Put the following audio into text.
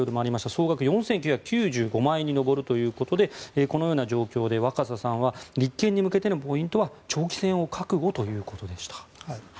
総額４９９５万円に上るということでこのような状況で若狭さんは立件に向けてのポイントは長期戦を覚悟ということでした。